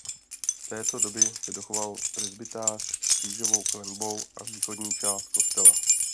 Z této doby se dochoval presbytář s křížovou klenbou a východní část kostela.